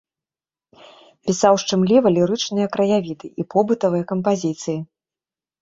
Пісаў шчымліва-лірычныя краявіды і побытавыя кампазіцыі.